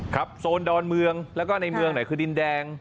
โซนดอนเมืองแล้วก็ในเมืองไหนคือดินแดง